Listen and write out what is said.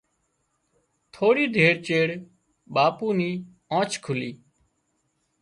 ٿوڙي دير چيڙ ٻاپو ني آنڇ کُلي